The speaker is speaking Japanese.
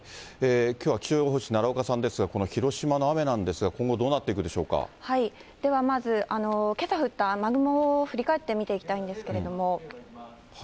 きょうは気象予報士、奈良岡さんですが、この広島の雨なんですが、今後どうなっていくではまず、けさ降った雨雲を振り返ってみていきたいんですけれども。